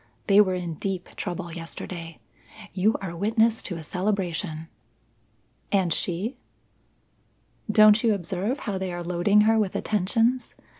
They were in deep trouble yesterday. You are witness to a celebration." "And she?" "Don't you observe how they are loading her with attentions?